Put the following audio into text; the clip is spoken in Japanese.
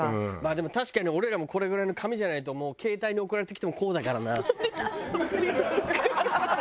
でも確かに俺らもこれぐらいの紙じゃないともう携帯に送られてきてもこうだからな。